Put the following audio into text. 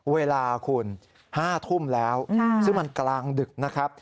เวลาคุณ๕ทุ่มแล้วซึ่งมันกลางดึกนะครับ